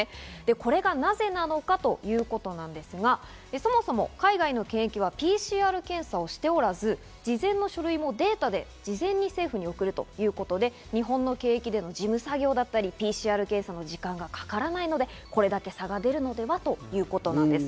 これがなぜなのかということなんですが、そもそも海外の検疫はＰＣＲ検査をしておらず、事前の書類もデータで事前に政府に送るということで、日本の検疫での事務作業、ＰＣＲ検査の時間がかからないので、これだけ差が出るのではということです。